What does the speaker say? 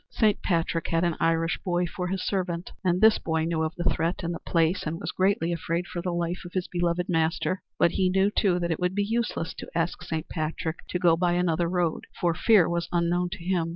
Saint Patrick had an Irish boy for his servant and this boy knew of the threat and the place and was greatly afraid for the life of his beloved master. But he knew, too, that it would be useless to ask Saint Patrick to go by another road, for fear was unknown to him.